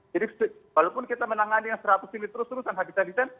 jadi walaupun kita menangani yang seratus ini terus terusan habis habisan